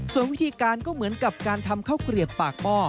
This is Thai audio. ส่วนวิธีการก็เหมือนกับการทำข้าวเกลียบปากหม้อ